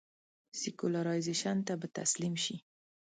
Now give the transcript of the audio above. سیکولرایزېشن ته به تسلیم شي.